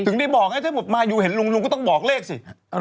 ถึงได้บอกจะให้ถ้ามาเอ้อยู่เห็นลุงว่าต้องบอกเลขสิ